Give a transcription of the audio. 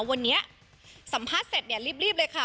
วันนี้สัมภาษณ์เสร็จเนี่ยรีบเลยค่ะ